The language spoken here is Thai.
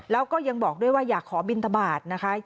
แล้วก็ยังบอกด้วยว่าอยากขอบินทบาทนะคะ